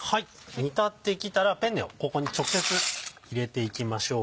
煮立ってきたらペンネをここに直接入れていきましょう。